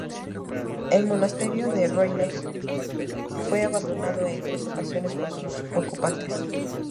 El monasterio de Leyre fue abandonado en tres ocasiones por sus ocupantes.